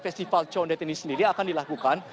festival condet ini sendiri akan dilakukan